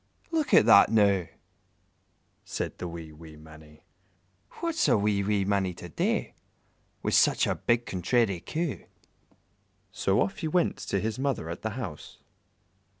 "Look at that, now!" said the wee, wee Mannie "What's a wee, wee mannie to do, Wi' such a big contrairy Coo?" So off he went to his mother at the house.